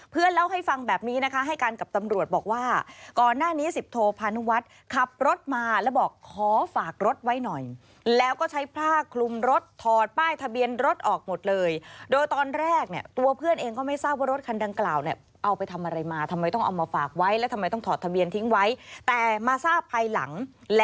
เล่าให้ฟังแบบนี้นะคะให้การกับตำรวจบอกว่าก่อนหน้านี้สิบโทพานุวัฒน์ขับรถมาแล้วบอกขอฝากรถไว้หน่อยแล้วก็ใช้ผ้าคลุมรถถอดป้ายทะเบียนรถออกหมดเลยโดยตอนแรกเนี่ยตัวเพื่อนเองก็ไม่ทราบว่ารถคันดังกล่าวเนี่ยเอาไปทำอะไรมาทำไมต้องเอามาฝากไว้แล้วทำไมต้องถอดทะเบียนทิ้งไว้แต่มาทราบภายหลัง